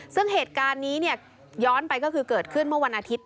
ซึ่งเหตุการณ์นี้เนี่ยย้อนไปก็คือเกิดขึ้นเมื่อวันอาทิตย